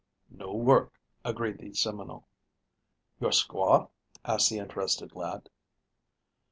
"No work," agreed the Seminole. "Your squaw?" asked the interested lad.